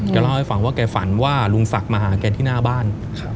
เล่าให้ฟังว่าแกฝันว่าลุงศักดิ์มาหาแกที่หน้าบ้าน